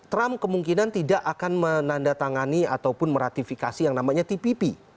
trump kemungkinan tidak akan menandatangani ataupun meratifikasi yang namanya tpp